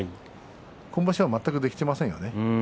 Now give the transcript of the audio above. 今場所はそれが全くできていません。